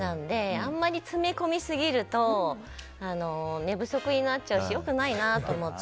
あまり詰め込みすぎると寝不足になっちゃうし良くないなと思って。